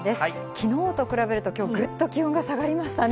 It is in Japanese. きのうと比べるときょう、ぐっと気温が下がりましたね。